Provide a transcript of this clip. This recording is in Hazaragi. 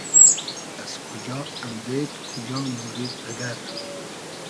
از کوجا امدېد کوجا مۉرید بئدئر؟